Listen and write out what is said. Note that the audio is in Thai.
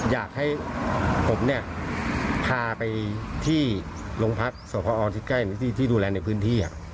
อยากให้ผมเนี่ยพาไปที่โรงพักษ์สพที่ใกล้ที่ดูแลในพื้นที่